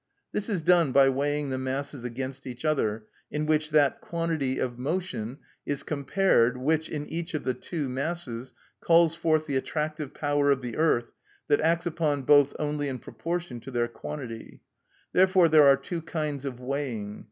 This is done by weighing the masses against each other, in which that quantity of motion is compared which, in each of the two masses, calls forth the attractive power of the earth that acts upon both only in proportion to their quantity. Therefore there are two kinds of weighing.